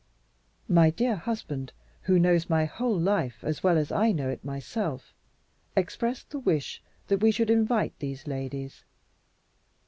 My dear husband who knows my whole life as well as I know it myself expressed the wish that we should invite these ladies.